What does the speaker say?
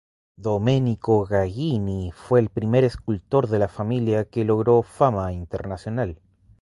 Domenico Gagini fue el primer escultor de la familia que logró fama internacional.